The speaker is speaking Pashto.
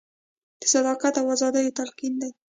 د صداقت او ازادیو تلقین دی.